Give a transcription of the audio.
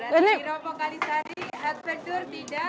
berarti ropo kalisari adventure tidak